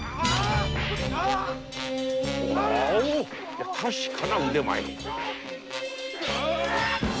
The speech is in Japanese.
いや確かな腕前。